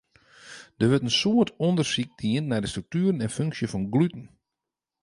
Der wurdt in soad ûndersyk dien nei de struktueren en funksje fan gluten.